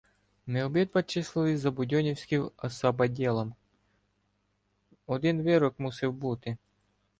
Ми обидва числилися за будьонів- ським "особотдєлом” — один вирок мусив бути.